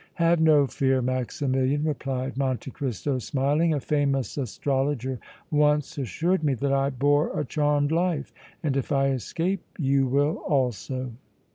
"Have no fear, Maximilian!" replied Monte Cristo, smiling. "A famous astrologer once assured me that I bore a charmed life, and if I escape you will also!"